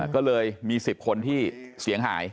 ก็เลยมี๑๐คนที่เสียงหาย